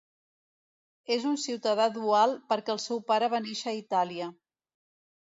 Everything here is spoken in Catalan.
És un ciutadà dual perquè el seu pare va néixer a Itàlia.